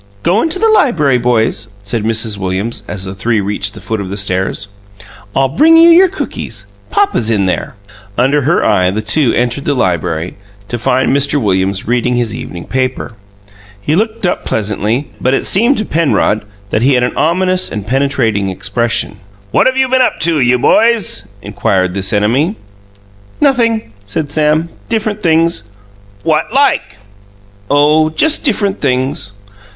"Go into the library, boys," said Mrs. Williams, as the three reached the foot of the stairs. "I'll bring you your cookies. Papa's in there." Under her eye the two entered the library, to find Mr. Williams reading his evening paper. He looked up pleasantly, but it seemed to Penrod that he had an ominous and penetrating expression. "What have you been up to, you boys?" inquired this enemy. "Nothing," said Sam. "Different things." "What like?" "Oh just different things." Mr.